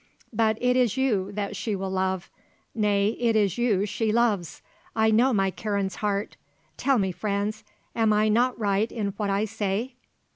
But it is you that she will love; nay, it is you she loves. I know my Karen's heart. Tell me, Franz, am I not right in what I say?"